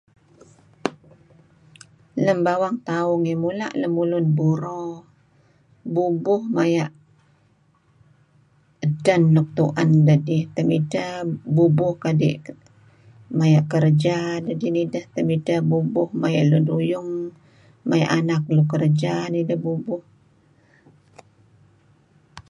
Lem bawang tauh ngih mula' lemulun buro bubuh maya' edten nuk tu'en dedih. Temidtah bubuh kadi' maya' kerja dedih nideh temidteh bubuh maya' lun ruyung maya' anak mey kerja nideh bubuh.